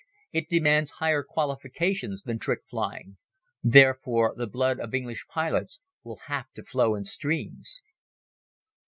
It demands higher qualifications than trick flying. Therefore, the blood of English pilots will have to flow in streams.